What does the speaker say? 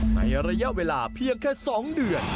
ในระยะเวลาเพียงแค่๒เดือน